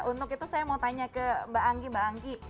untuk itu saya mau tanya ke mbak anggi